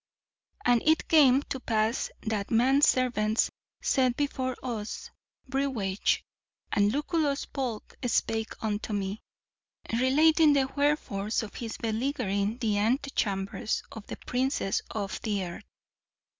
And it came to pass that man servants set before us brewage; and Lucullus Polk spake unto me, relating the wherefores of his beleaguering the antechambers of the princes of the earth.